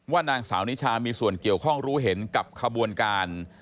นางสาวนิชามีส่วนเกี่ยวข้องรู้เห็นกับขบวนการ